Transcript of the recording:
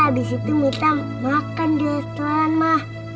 ya abis itu minta makan di restoran ma